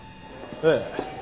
ええ。